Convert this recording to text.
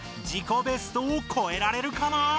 自己ベストをこえられるかな？